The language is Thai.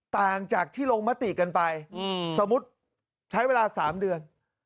ต่างจากที่ลงมติกันไปสมมุติใช้เวลา๓เดือน